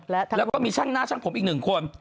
แล้วก็มีช่างหน้าช่างผมอีกหนึ่งคน